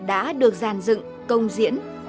đã được giàn dựng công diễn